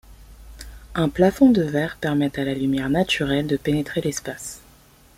Un plafond de verre permet à la lumière naturelle de pénétrer l'espace.